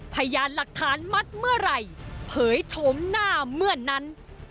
พยานหลักฐานมัดเมื่อไหร่เผยโฉมหน้าเมื่อนั้น